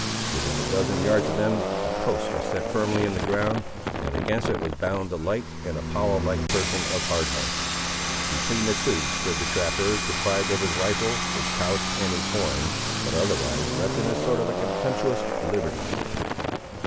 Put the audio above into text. Within a dozen yards of them a post was set firmly in the ground, and against it was bound the light and Apollo like person of Hard Heart. Between the two stood the trapper, deprived of his rifle, his pouch and his horn, but otherwise left in a sort of contemptuous liberty.